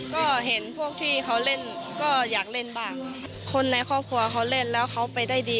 ก็เห็นพวกที่เขาเล่นก็อยากเล่นบ้างคนในครอบครัวเขาเล่นแล้วเขาไปได้ดี